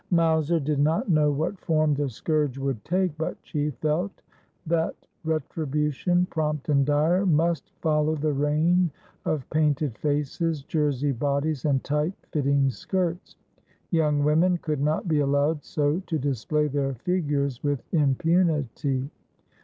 Mowser did not know what form the scourge would take ; but she felt that retri bution, prompt and dire, must follow the reign of painted faces, jersey bodies, and tight fitting skirts. Young women could not be allowed so to display their figures with impunity.